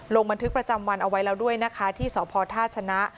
ลงบันทึกประจำวันเอาไว้แล้วด้วยนะคะที่สพท่าชนะ